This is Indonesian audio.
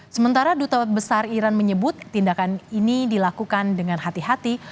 sementara duta besar iran menyebut tindakan ini dilakukan dengan hati hati